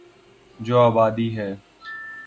جو آبادی ہے۔